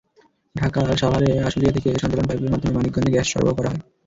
ঢাকার সাভারের আশুলিয়া থেকে সঞ্চালন পাইপের মাধ্যমে মানিকগঞ্জে গ্যাস সরবরাহ করা হয়।